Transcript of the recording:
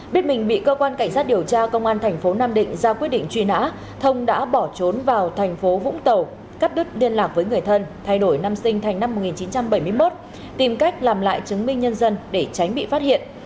biết mình bị cơ quan cảnh sát điều tra công an thành phố nam định ra quyết định truy nã thông đã bỏ trốn vào thành phố vũng tàu cắt đứt liên lạc với người thân thay đổi năm sinh thành năm một nghìn chín trăm bảy mươi một tìm cách làm lại chứng minh nhân dân để tránh bị phát hiện